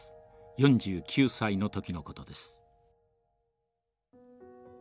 ４９歳の時のことです。